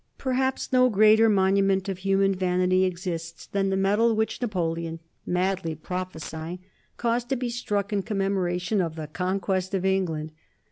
Perhaps no greater monument of human vanity exists than the medal which Napoleon, madly prophesying, caused to be struck in commemoration of the conquest of England.